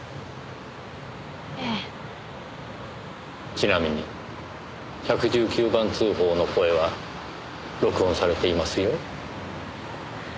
ちなみに１１９番通報の声は録音されていますよ。